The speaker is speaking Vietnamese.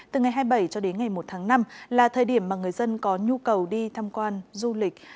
từ ngày hai mươi bảy cho đến ngày một tháng năm là thời điểm mà người dân có nhu cầu đi tham quan du lịch